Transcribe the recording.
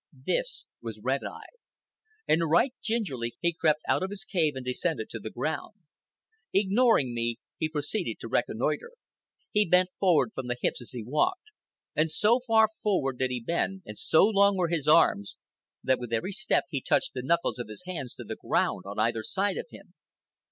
This was Red Eye. And right gingerly he crept out of his cave and descended to the ground. Ignoring me, he proceeded to reconnoitre. He bent forward from the hips as he walked; and so far forward did he bend, and so long were his arms, that with every step he touched the knuckles of his hands to the ground on either side of him.